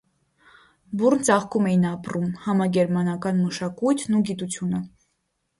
Բուռն ծաղկում էին ապրում համագերմանական մշակույթն ու գիտությունը։